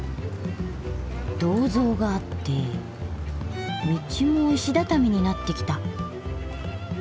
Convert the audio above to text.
銅像があって道も石畳になってきた。